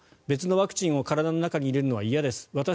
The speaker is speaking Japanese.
別のワクチンを体の中に入れるのは嫌です。